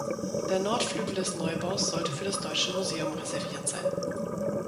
Der Nordflügel des Neubaus sollte für das Deutsche Museum reserviert sein.